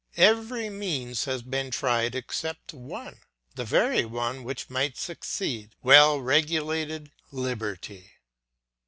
Every means has been tried except one, the very one which might succeed well regulated liberty.